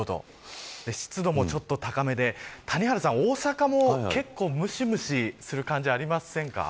湿度もちょっと高めで、大阪も結構むしむしする感じありませんか。